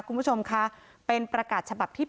คุณผู้ชมคะเป็นประกาศฉบับที่๘